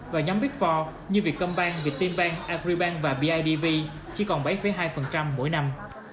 và nhóm big four như việt công bank việt tim bank agribank và bidv chỉ còn bảy hai mỗi năm